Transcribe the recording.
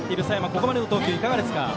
ここまでの投球いかがですか。